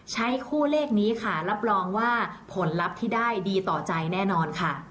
ใช้คู่เลขนี้ค่ะรับรองว่าผลลัพธ์ที่ได้ดีต่อใจแน่นอนค่ะ